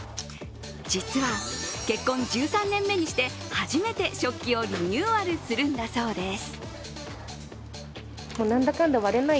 実は結婚１３年目にして、初めて食器をリニューアルするんだそうです。